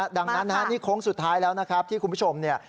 ดังนั้นนี่โค้งสุดท้ายแล้วนะครับที่คุณผู้ชมเนี่ย